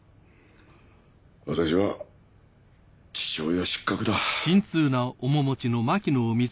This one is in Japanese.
私は父親失格だ。